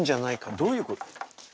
どういうこと？